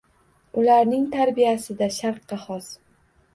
Ularning tarbiyasida Sharqqa xos.